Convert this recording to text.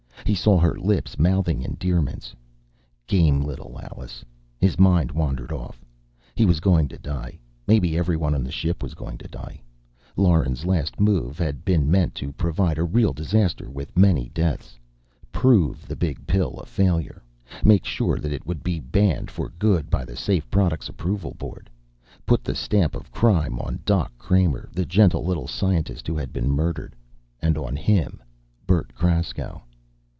He saw her lips mouthing endearments.... Game little Allie.... His mind wandered off. He was going to die. Maybe everyone on the ship was going to die. Lauren's last move had been meant to provide a real disaster, with many deaths! Prove the Big Pill a failure. Make sure that it would be banned for good by the Safe Products Approval Board. Put the stamp of crime on Doc Kramer, the gentle little scientist who had been murdered! And on him, Bert Kraskow.